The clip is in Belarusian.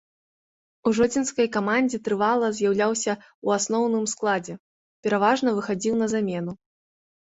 У жодзінскай камандзе трывала з'яўляўся ў асноўным складзе, пераважна выхадзіў на замену.